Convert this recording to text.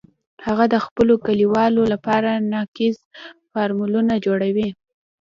هغه د خپلو کلیوالو لپاره ناقص فارمولونه جوړوي